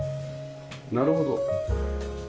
なるほど。